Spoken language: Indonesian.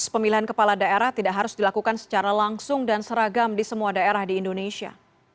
pemilihan kepala daerah tidak harus dilakukan secara langsung dan seragam di semua daerah di indonesia